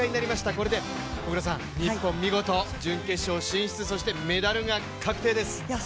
これで日本、見事準決勝進出そしてメダルが確定です。